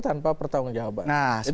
tanpa pertanggung jawaban